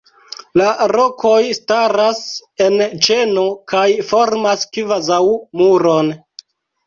La rokoj staras en ĉeno kaj formas kvazaŭ muron.